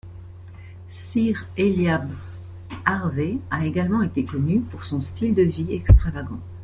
Sir Eliab Harvey a également été connu pour son style de vie extravagant.